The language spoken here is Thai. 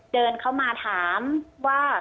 เดินเข้ามาถามว่า